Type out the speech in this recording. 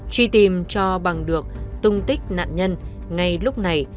truy tìm cho bằng được tung tích nạn nhân ngay lúc này